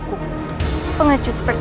aku akan mencari kebaikanmu